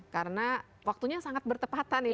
karena waktunya sangat bertepatan ini